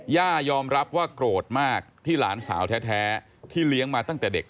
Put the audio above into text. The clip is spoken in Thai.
ย่ายอมรับว่าโกรธมากที่หลานสาวแท้ที่เลี้ยงมาตั้งแต่เด็ก